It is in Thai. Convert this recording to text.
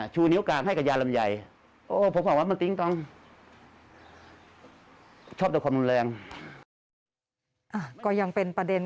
ชูเนียวกลางให้กับยารมญัย